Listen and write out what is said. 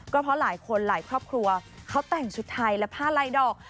ก็เพราะหลายคนหลายครอบครัวเขาแต่งชุดไทยและผ้าลายดอก